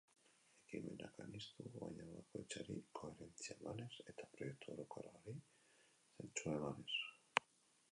Ekimenak aniztu, baina bakoitzari koherentzia emanez, eta proiektu orokorrari zentzua emanez.